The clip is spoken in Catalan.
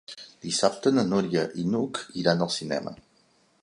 Dissabte na Núria i n'Hug iran al cinema.